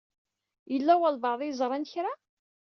Yella walebɛaḍ i yeẓṛan kra?